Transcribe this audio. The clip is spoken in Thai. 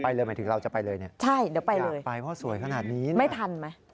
ไปเลยหมายถึงเราจะไปเลยนี่อยากไปว่าสวยขนาดนี้อยากไปเดี๋ยวไปเลย